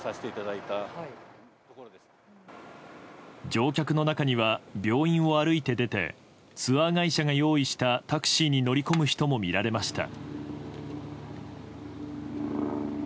乗客の中には病院を歩いて出てツアー会社が用意したタクシーに乗り込む人も見られました。